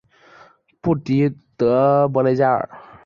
布迪德博雷加尔。